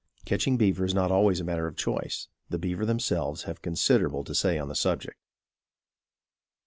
Catching beaver is not always a matter of choice. The beaver themselves have considerable to say on the subject.